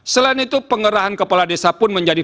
selain itu pengerahan kepala desa pun menjadi